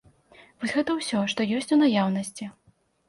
Вось гэта ўсё, што ёсць у наяўнасці.